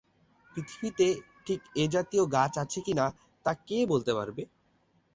পৃথিবীতে ঠিক এ-জাতীয় গাছ আছে কি না তা কে বলতে পারবে?